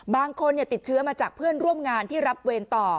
บางคนติดเชื้อมาจากเพื่อนร่วมงานที่รับเวรต่อ